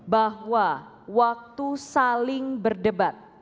bahwa waktu saling berdebat